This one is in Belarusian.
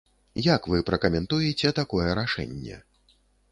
Як вы пракаментуеце такое рашэнне?